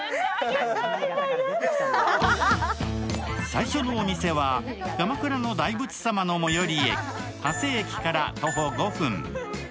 最初のお店は、鎌倉の大仏様の最寄り駅、長谷駅から徒歩５分。